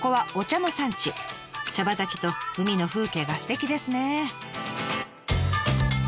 茶畑と海の風景がすてきですね！